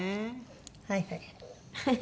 はいはい。